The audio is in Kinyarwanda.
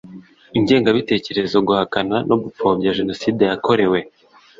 ingengabitekerezo guhakana no gupfobya Jenoside yakorewe